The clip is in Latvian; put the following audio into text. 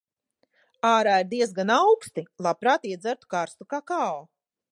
Ārā ir diezgan auksti. Labprāt iedzertu karstu kakao.